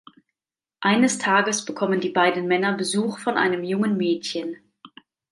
Eines Tages bekommen die beiden Männer Besuch von einem jungen Mädchen.